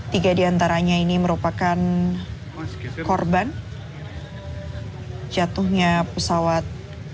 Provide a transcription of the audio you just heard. tiga diantaranya ini merupakan korban jatuhnya pesawat